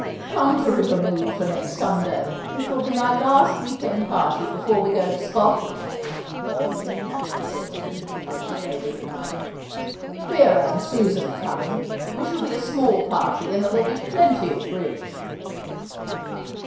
"Come to River Mead for next Sunday. It will be my last week end party before we go to Scotland," Lady Okehampton said to him before she bade good night. "Vera and Susan are coming. We shall be a small party, and there will be plenty of bridge."